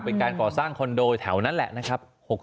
เป็นการก่อสร้างคอนโดแถวนั้นแหละนะครับ